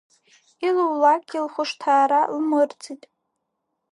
Илулакгьы лхәышҭаара лмырӡит.